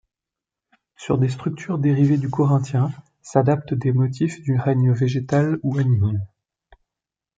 Sur des structures dérivées du corinthien s'adaptent des motifs du règne végétal ou animal.